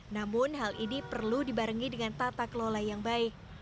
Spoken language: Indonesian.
namun hal ini perlu dibarengi dengan tata kelola yang baik